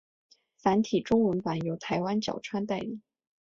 繁体中文版由台湾角川代理。